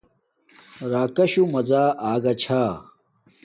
راکاشُُو جاݶ مزا اگا چھا